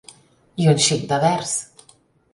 I un xic de vers.